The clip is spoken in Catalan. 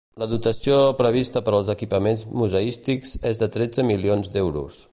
La dotació prevista per als equipaments museístics és de tretze milions d'euros.